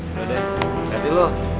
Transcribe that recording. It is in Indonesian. udah deh hati hati lo